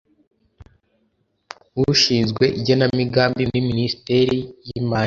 ushinzwe Igenamigambi muri Minisiteri y Imari